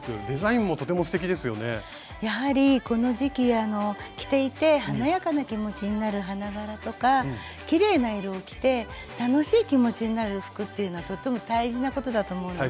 やはりこの時期着ていて華やかな気持ちになる花柄とかきれいな色を着て楽しい気持ちになる服っていうのはとっても大事なことだと思うんです。